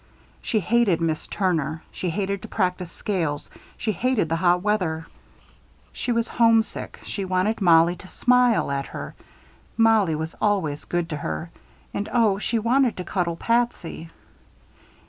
She hated Miss Turner, she hated to practice scales, she hated the hot weather, she was homesick, she wanted Mollie to smile at her Mollie was always good to her. And oh, she wanted to cuddle Patsy.